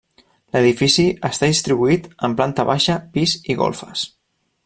L'edifici està distribuït en planta baixa, pis i golfes.